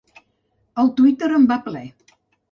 El Twitter en va ple.